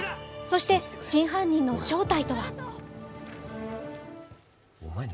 そして真犯人の正体とは？